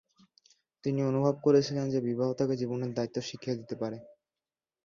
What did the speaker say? তিনি অনুভব করেছিলেন যে বিবাহ তাঁকে জীবনের দায়িত্ব শিখিয়ে দিতে পারে।